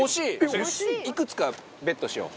いくつかＢＥＴしよう。